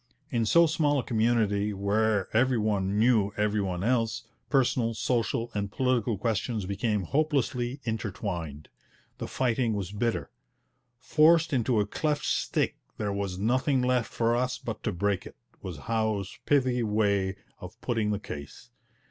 In so small a community, where every one knew every one else, personal, social, and political questions became hopelessly intertwined. The fighting was bitter. 'Forced into a cleft stick, there was nothing left for us but to break it,' was Howe's pithy way of putting the case.